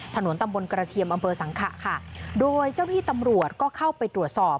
ถนนตำบลกระเทียมอำเภอสังขะค่ะโดยเจ้าที่ตำรวจก็เข้าไปตรวจสอบ